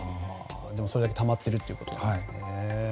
でも、それだけたまっているってことですね。